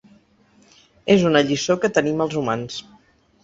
És una lliçó que tenim els humans.